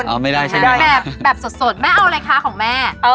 อันนี้แบบเชื่อมค่ะคุณแบบสดแม่เอาอะไรคะของแม่